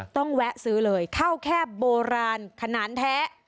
ต้องแวะซื้อเลยเข้าแคบโบราณขนานแท้